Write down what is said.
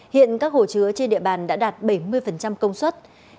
hiện các hồ chứa trên địa bàn đã đạt bảy mươi công suất